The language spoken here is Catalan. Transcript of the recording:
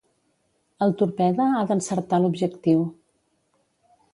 El torpede ha d'encertar l'objectiu.